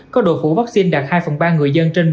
có đội phủ vaccine đạt hai phần ba người dân